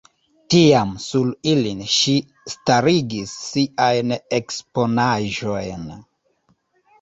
Tiam sur ilin ŝi starigis siajn eksponaĵojn.